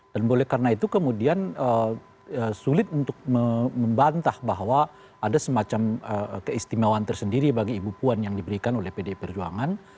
dan boleh karena itu kemudian sulit untuk membantah bahwa ada semacam keistimewaan tersendiri bagi ibu puan yang diberikan oleh pdi perjuangan